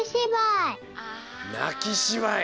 なきしばい！